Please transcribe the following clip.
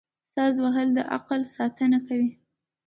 ساز وهل د عقل ساتنه کوي.